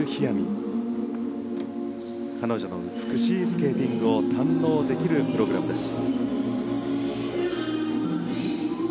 彼女の美しいスケーティングを堪能できるプログラムです。